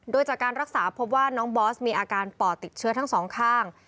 โดยจากการรักษาพบว่าน้องบอสมีอาการปอดติดเชื้อทั้งสองข้าง